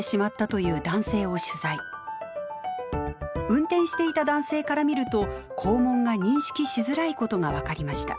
運転していた男性から見ると校門が認識しづらいことが分かりました。